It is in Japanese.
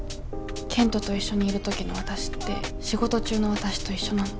賢人と一緒にいる時のわたしって仕事中のわたしと一緒なの。